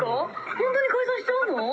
ホントに解散しちゃうの？